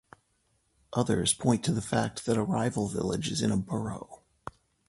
Others point to the fact that a rival village is in a borough.